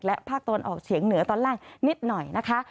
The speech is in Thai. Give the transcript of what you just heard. และภาคตะวันออกเฉียงเหนือตอนล่างนิดหน่อยนะคะ